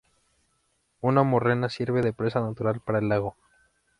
Una morrena sirve de presa natural para el lago.